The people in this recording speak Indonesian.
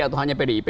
atau hanya pdip